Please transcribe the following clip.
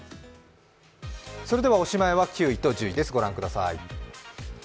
おしまいは９位と１０位ですご覧ください。